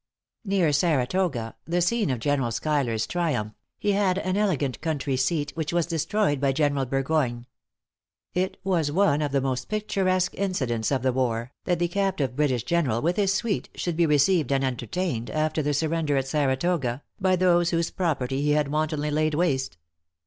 Near Saratoga, the scene of General Schuyler's triumph, he had an elegant country seat, which was destroyed by General Burgoyne. It was one of the most picturesque incidents of the war, that the captive British general with his suite, should be received and entertained, after the surrender at Saratoga, by those whose property he had wantonly laid waste.